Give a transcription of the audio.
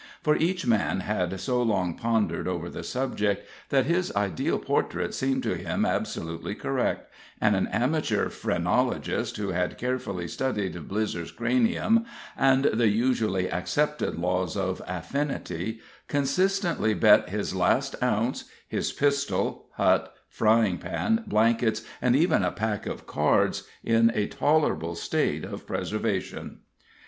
For each man had so long pondered over the subject, that his ideal portrait seemed to him absolutely correct; and an amateur phrenologist, who had carefully studied Blizzer's cranium and the usually accepted laws of affinity, consistently bet his last ounce, his pistol, hut, frying pan, blankets, and even a pack of cards in a tolerable state of preservation.